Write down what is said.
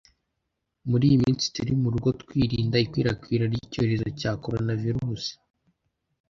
Muri iyi minsi turi mu rugo twirinda ikwirakwira ry’ icyorezo cya korona virusi,